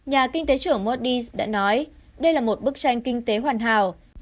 nhà kinh tế trưởng modi đã nói đây là một bức tranh kinh tế hoàn hảo